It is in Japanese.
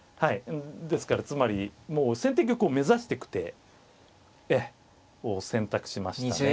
ですからつまりもう先手玉を目指してく手を選択しましたね。